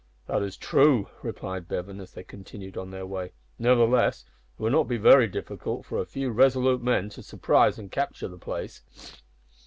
"That is true," replied Bevan, as they continued on their way. "Nevertheless, it would not be very difficult for a few resolute men to surprise and capture the place."